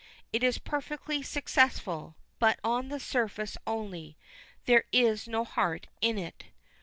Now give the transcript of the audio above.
It is perfectly successful, but on the surface only. There is no heart in it.